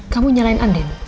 kamu nyalain andin